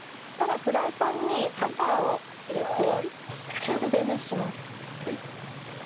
そしたらフライパンにバターを入れて中火で熱します。